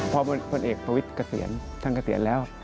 พอพลเอกประวิทย์เกษียณท่านเกษียณแล้ว